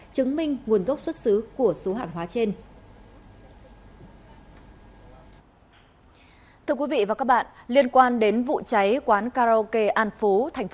chứng minh nguồn gốc xuất xứ của số hàng hóa trên